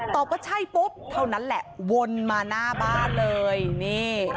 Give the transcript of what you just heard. ว่าใช่ปุ๊บเท่านั้นแหละวนมาหน้าบ้านเลยนี่